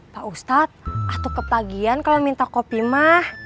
pak ustadz atuk ke pagian kalo minta kopi mah